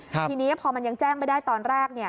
ทีนี้พอมันยังแจ้งไม่ได้ตอนแรก